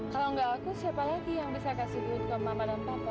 kalau nggak aku siapa lagi yang bisa kasih duit ke mama dan papa